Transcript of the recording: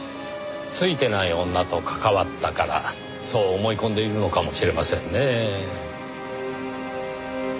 ついてない女と関わったからそう思い込んでいるのかもしれませんねぇ。